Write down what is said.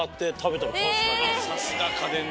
さすが家電の。